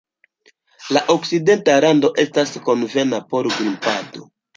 La Okcidenta rando estas konvena por grimpado.